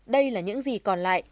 đây là những gì còn lại